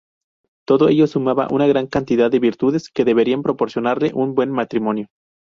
Todo ello sumaba una gran cantidad de virtudes que deberían proporcionarle un buen matrimonio.